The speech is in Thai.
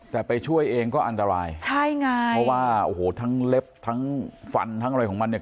แต่ไปช่วยเองก็อันตรายใช่ไงเพราะว่าโอ้โหทั้งเล็บทั้งฟันทั้งอะไรของมันเนี่ย